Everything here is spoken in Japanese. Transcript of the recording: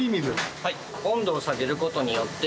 はい。